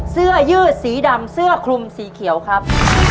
เสื้อยืดสีดำเสื้อคลุมสีเขียวครับ